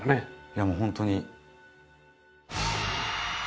いやもう本当に。